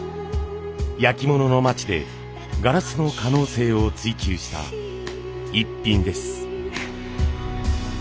焼き物の町でガラスの可能性を追求したイッピンです。